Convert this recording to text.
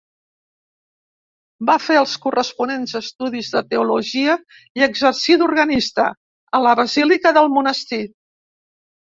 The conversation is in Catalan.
Va fer els corresponents estudis de Teologia i exercí d'organista a la Basílica del Monestir.